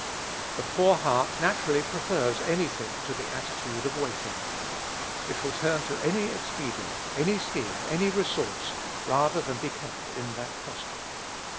The poor heart naturally prefers any thing to the attitude of waiting. It will turn to any expedient, any scheme, any resource, rather than be kept in that posture.